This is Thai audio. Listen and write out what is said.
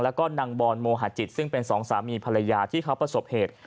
แล้วก็นางบอลโมหาจิตซึ่งเป็นสองสามีภรรยาที่เขาประสบเหตุ